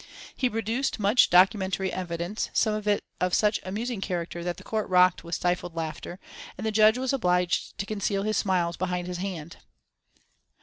He produced much documentary evidence, some of it of such amusing character that the court rocked with stifled laughter, and the judge was obliged to conceal his smiles behind his hand.